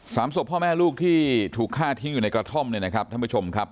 ศพพ่อแม่ลูกที่ถูกฆ่าทิ้งอยู่ในกระท่อมเนี่ยนะครับท่านผู้ชมครับ